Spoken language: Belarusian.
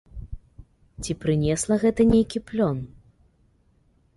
Ці прынесла гэта нейкі плён?